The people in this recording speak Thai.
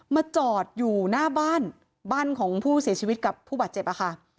มาจอดอยู่หน้าบ้านบ้านของผู้เสียชีวิตกับผู้บาดเจ็บอะค่ะ